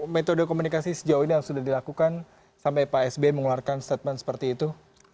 metode komunikasi sejauh ini yang sudah dilakukan sampai pak sby mengeluarkan statement seperti itu